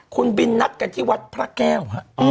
คุณบินนัดกันที่วัดพระแก้วฮะ